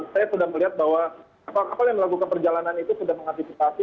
saya sudah melihat bahwa kapal kapal yang melakukan perjalanan itu sudah mengantisipasi